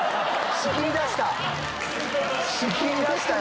仕切りだしたよ。